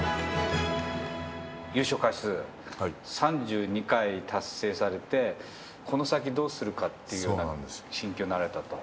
優勝回数３２回達成されて、この先、どうするかっていうような心境になられたと？